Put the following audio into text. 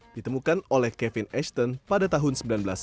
ditemukan oleh kevin esthton pada tahun seribu sembilan ratus sembilan puluh